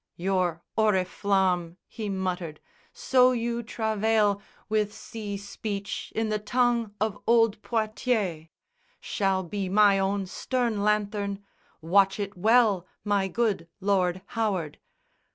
"Your oriflamme," he muttered, "so you travail With sea speech in the tongue of old Poictiers Shall be my own stern lanthorn. Watch it well, My good Lord Howard."